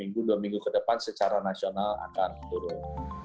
minggu dua minggu ke depan secara nasional akan turun